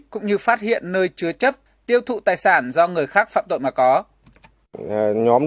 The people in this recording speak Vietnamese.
cũng như phát hiện nơi chứa chấp tiêu thụ tài sản do người khác phạm tội mà có